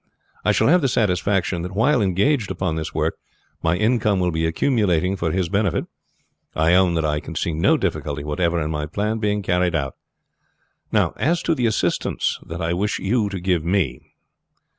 I shall have the satisfaction that while engaged upon this work my income will be accumulating for his benefit. I own that I can see no difficulty whatever in my plan being carried out. "Now, as to the assistance that I wish you to give me.